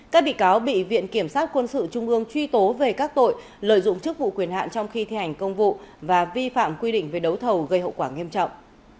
các bị cáo bị viện kiểm sát quân sự trung ương truy tố về các tội lợi dụng chức vụ quyền hạn trong khi thi hành công vụ và vi phạm quy định về đấu thầu gây hậu quả nghiêm trọng